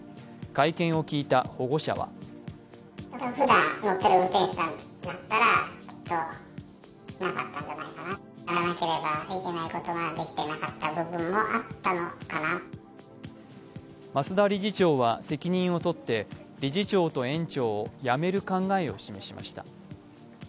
会見を聞いた保護者は増田理事長は責任をとって理事長と園長を辞める考えを示しました。